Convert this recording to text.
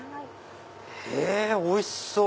へぇおいしそう！